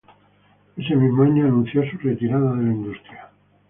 Ese mismo año anunció su retirada de la industria.